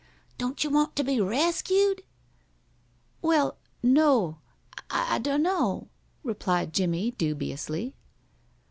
"Don't you want to be rescued?" "Why no I dun'no'," replied Jimmie, dubiously.